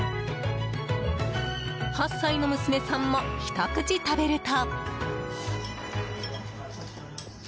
８歳の娘さんもひと口食べると。